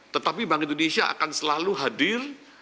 tetapi bank indonesia akan selalu hadir